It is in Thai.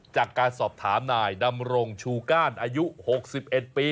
จากการสอบถามนายดำรงชูก้านอายุ๖๑ปี